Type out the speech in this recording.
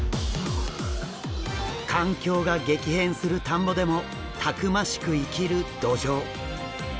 環境が激変する田んぼでもたくましく生きるドジョウ。